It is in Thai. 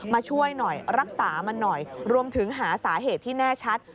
มาช่วยหน่อยรักษามันหน่อยรวมถึงหาสาเหตุที่แน่ชัด